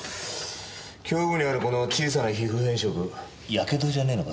胸部にあるこの小さな皮膚変色火傷じゃねえのか？